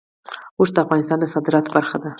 اوښ د افغانستان د صادراتو برخه ده.